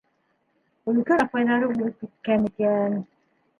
Өлкән апайҙары үлеп киткән икән.